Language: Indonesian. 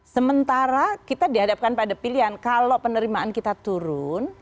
sementara kita dihadapkan pada pilihan kalau penerimaan kita turun